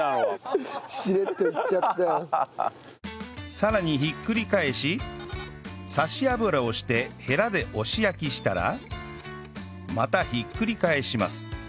さらにひっくり返しさし油をしてヘラで押し焼きしたらまたひっくり返します